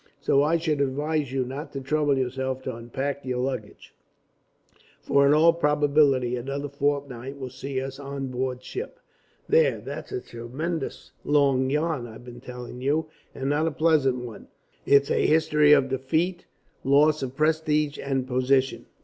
So I should advise you not to trouble yourself to unpack your luggage, for in all probability another fortnight will see us on board ship. "There, that's a tremendous long yarn I've been telling you, and not a pleasant one. It's a history of defeat, loss of prestige and position.